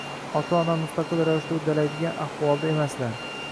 ota-ona mustaqil ravishda uddalaydigan ahvolda emaslar.